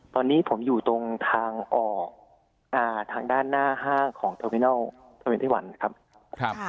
ตอนนี้ผมอยู่ตรงทางออกทางด้านหน้าห้างของเทอร์มินัลเทอร์เวนตี้วันนะครับ